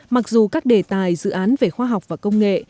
mặc dù các đề tài dự án về khoa học và công nghệ